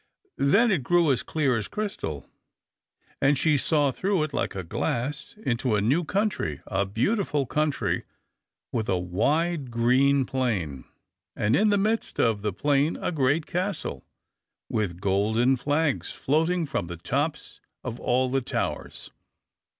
Then it grew as clear as crystal, and she saw through it, like a glass, into a new country a beautiful country with a wide green plain, and in the midst of the plain a great castle, with golden flags floating from the tops of all the towers.